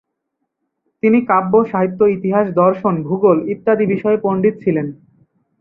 তিনি কাব্য, সাহিত্য, ইতিহাস, দর্শন, ভূগোল ইত্যাদি বিষয়ের পণ্ডিত ছিলেন।